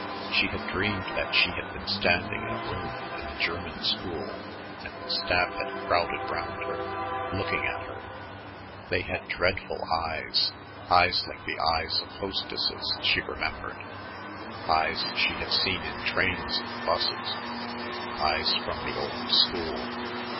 She had dreamed that she had been standing in a room in the German school and the staff had crowded round her, looking at her. They had dreadful eyes eyes like the eyes of hostesses she remembered, eyes she had seen in trains and 'buses, eyes from the old school.